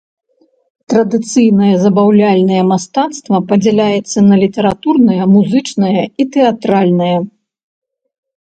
Традыцыйнае забаўляльнае мастацтва падзяляецца на літаратурнае, музычнае і тэатральнае.